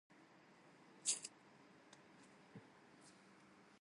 He is also known as Buzz.